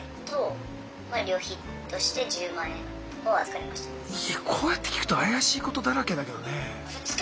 いやこうやって聞くと怪しいことだらけだけどね。